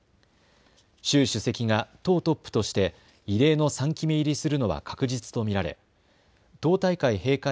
習主席が党トップとして異例の３期目入りするのは確実と見られ党大会閉会